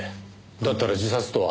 だったら自殺とは。